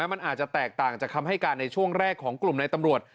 มันอาจจะแตกต่างจากคำให้การในช่วงแรกของกลุ่มในตำรวจ